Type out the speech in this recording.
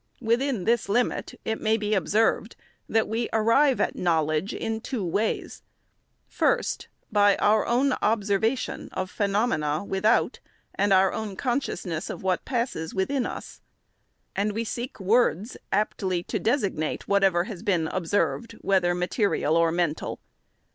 Within this limit, it may be ob served, that we arrive at knowledge in two ways : first, by our own observation of phenomena without, and our own consciousness of what passes within us ; and we seek words aptly to designate whatever has been observed, whether material or mental.